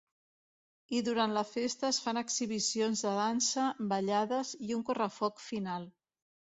I durant la festa es fan exhibicions de dansa, ballades i un correfoc final.